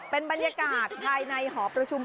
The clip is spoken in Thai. เป็นบรรยากาศภายในหอประชุม